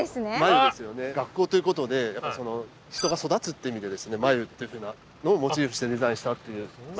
学校ということで人が育つっていう意味で繭っていうふうなのをモチーフにしてデザインしたっていう。